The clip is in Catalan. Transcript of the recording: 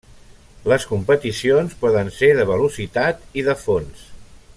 Les competicions poden ser de Velocitat i de Fons.